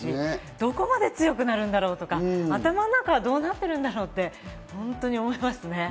どこまで強くなるんだろうとか、頭の中はどうなってるんだろう？って思いますね。